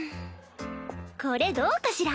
これどうかしら？